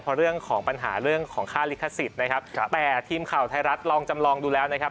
เพราะเรื่องของปัญหาเรื่องของค่าลิขสิทธิ์นะครับแต่ทีมข่าวไทยรัฐลองจำลองดูแล้วนะครับ